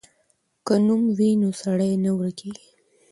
که نوم وي نو سړی نه ورکېږي.